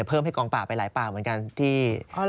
เพิ่มให้กองปราบไปหลายปากเหมือนกันที่